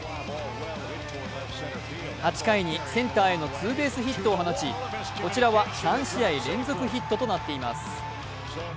８回にセンターへのツーベースヒットを放ちこちらは３試合連続ヒットとなっています。